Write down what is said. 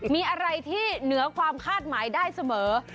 มีอะไรที่เหนือความคาดหมายได้เสมอ